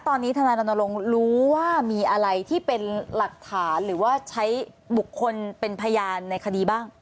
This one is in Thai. ตอนนี้ธนายรณรงค์รู้ว่ามีอะไรที่เป็นหลักฐานหรือว่าใช้บุคคลเป็นพยานในคดีบ้าง